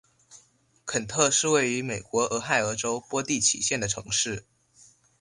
肯特是位于美国俄亥俄州波蒂奇县的城市。